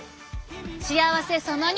幸せその２。